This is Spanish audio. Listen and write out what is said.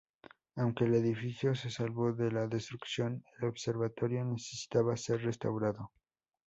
Aunque el edificio se salvó de la destrucción, el Observatorio necesitaba ser restaurado.